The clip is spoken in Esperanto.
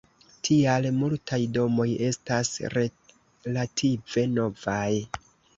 Tial multaj domoj estas relative novaj.